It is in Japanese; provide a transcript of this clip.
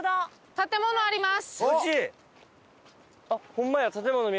建物あります！